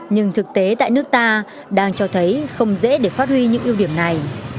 nhưng thực tế tại nước ta đang cho thấy không dễ để phát huy những ưu điểm này